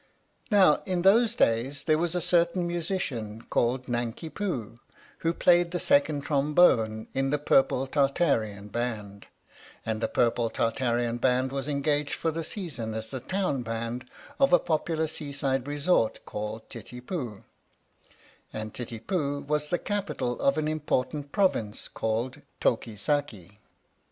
Now, in those days there was a certain musician called Nanki Poo, who played the second trombone in the Purple Tartarian Band, and the Purple Tartarian Band was engaged for the season as the Town Band of a popular seaside resort called Titipu, and Titipu was the capital of an important province called Toki Saki.